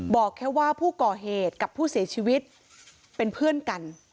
บอกแค่ว่าผู้ก่อเหตุกับผู้เสียชีวิตเป็นเพื่อนกัน